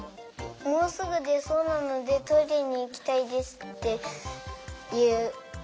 もうすぐでそうなのでトイレにいきたいですっていう。